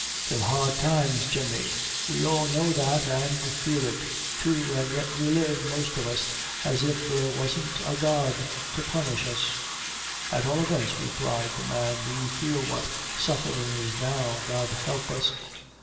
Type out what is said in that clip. They're hard times, Jemmy; we all know that an' feel it too, and yet we live, most of us, as if there wasn't a God ta punish us." "At all events," replied the man, "we feel what sufferin' is now, God help us!